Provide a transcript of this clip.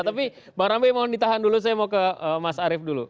tapi pak rambi mau ditahan dulu saya mau ke mas arief dulu